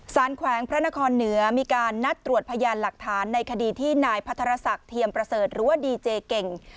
แขวงพระนครเหนือมีการนัดตรวจพยานหลักฐานในคดีที่นายพัทรศักดิ์เทียมประเสริฐหรือว่าดีเจเก่ง